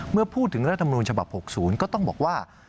เมื่อพูดถึงรัฐมนูญฉบับ๖๐ก็ต้องบอกว่า